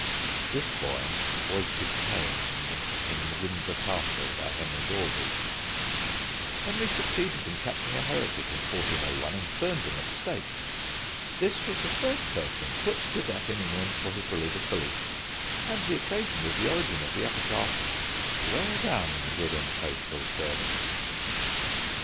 This boy was detained in Windsor Castle by Henry's orders. [Illustration: HENRY PROTECTS THE CHURCH FROM HERESY.] Henry succeeded in catching a heretic, in 1401, and burned him at the stake. This was the first person put to death in England for his religious belief, and the occasion was the origin of the epitaph, "Well done, good and faithful servant."